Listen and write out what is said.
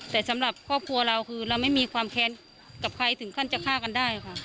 แต่สำหรับครอบครัวเราคือเราไม่มีความแค้นกับใครถึงขั้นจะฆ่ากันได้ค่ะ